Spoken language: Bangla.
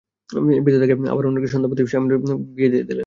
পিতা তাঁকে আবার অন্য একটি সন্তানবতী স্বামীহীনা মহিলার সাথে বিয়ে দিলেন।